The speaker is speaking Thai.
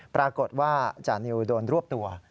ปรากฏว่าจานิวโดนรวบตัว